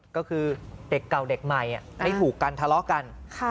ก็คือเด็กเก่าเด็กใหม่ไม่ถูกกันทะเลาะกัน